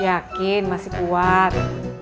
yakin masih kuat